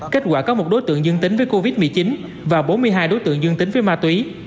kết quả có một đối tượng dương tính với covid một mươi chín và bốn mươi hai đối tượng dương tính với ma túy